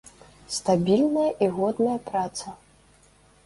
Стабільная і годная праца.